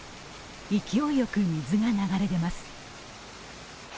勢いよく水が流れ出ます。